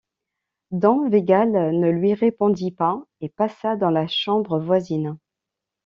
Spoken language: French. Don Végal ne lui répondit pas et passa dans la chambre voisine.